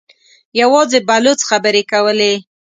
يواځې بلوڅ خبرې کولې.